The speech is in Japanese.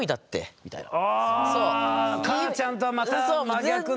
かーちゃんとはまた真逆の。